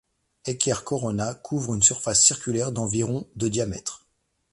Heqet Corona couvre une surface circulaire d'environ de diamètre.